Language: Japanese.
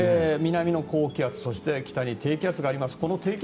南の高気圧そして、北に低気圧があります。